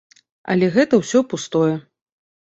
Але гэта ўсё пустое.